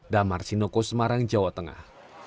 damar sinoko semarang jawa tengah